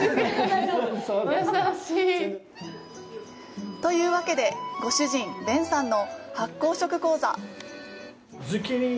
優しい。というわけで、ご主人ベンさんの発酵食講座！